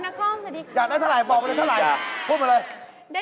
นักคล่องสวัสดีครับอยากให้เทลายบอกมาเทลายพูดมาเลย